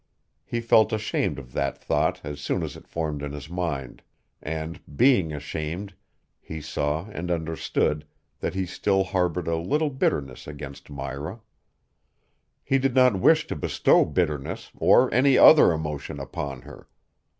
He felt ashamed of that thought as soon as it formed in his mind. And being ashamed, he saw and understood that he still harbored a little bitterness against Myra. He did not wish to bestow bitterness or any other emotion upon her.